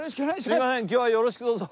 今日はよろしくどうぞ。